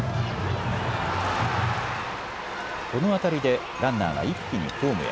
この当たりでランナーが一気にホームへ。